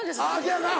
せやな